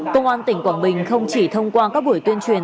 công an tỉnh quảng bình không chỉ thông qua các buổi tuyên truyền